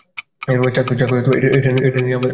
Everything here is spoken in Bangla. চাক, এটা নিয়েই আমাদের কথা হয়েছিল।